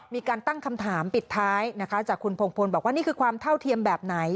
มีการตั้งคำถามปิดท้ายนะคะจากคุณพงพลบอกว่านี่คือความเท่าเทียมแบบไหน